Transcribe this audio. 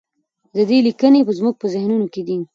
د ده لیکنې زموږ په ذهنونو کې دي.